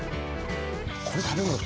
これ食べるの？